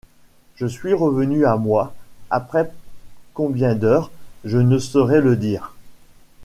Je suis revenu à moi, — après combien d’heures, je ne saurais le dire.